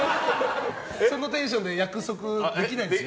そのテンションで約束できないです。